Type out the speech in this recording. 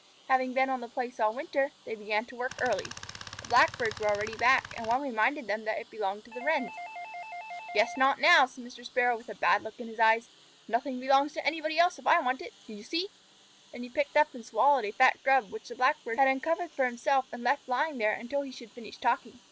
Having been on the place all winter, they began work early. The Blackbirds were already back, and one reminded them that it belonged to the Wrens. "Guess not now," said Mr. Sparrow, with a bad look in his eyes. "Nothing belongs to anybody else if I want it. Do you see?" Then he picked up and swallowed a fat Grub which the Blackbird had uncovered for himself and left lying there until he should finish talking.